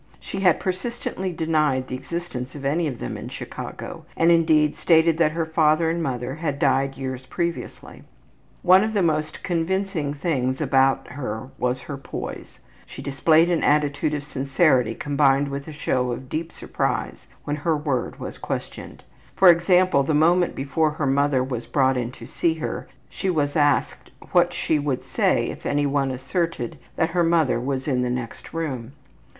She had persistently denied the existence of any of them in Chicago, and, indeed, stated that her father and mother had died years previously. One of the most convincing things about her was her poise; she displayed an attitude of sincerity combined with a show of deep surprise when her word was questioned. For example, the moment before her mother was brought in to see her, she was asked what she would say if anyone asserted that her mother was in the next room.